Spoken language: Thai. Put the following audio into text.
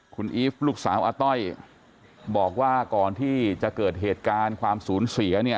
คุณอีฟลูกสาวอาต้อยบอกว่าก่อนที่จะเกิดเหตุการณ์ความสูญเสียเนี่ย